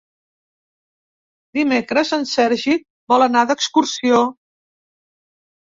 Dimecres en Sergi vol anar d'excursió.